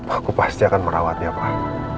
aku pasti akan merawatnya pak